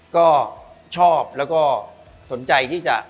ก็ชอบแล้วก็สนใจที่จะ